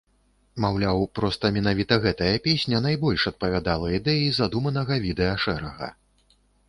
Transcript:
Маўляў, проста менавіта гэтая песня найбольш адпавядала ідэі задуманага відэашэрага.